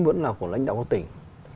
vẫn là của lãnh đạo các tỉnh